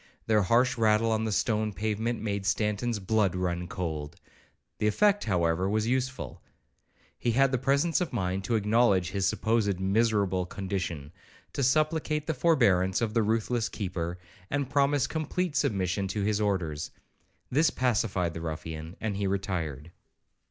Their harsh rattle on the stone pavement made Stanton's blood run cold; the effect, however, was useful. He had the presence of mind to acknowledge his (supposed) miserable condition, to supplicate the forbearance of the ruthless keeper, and promise complete submission to his orders. This pacified the ruffian, and he retired.